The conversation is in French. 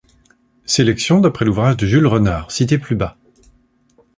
Sélection d'après l'ouvrage de Jules Renard, cité plus bas.